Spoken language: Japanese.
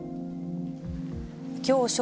きょう正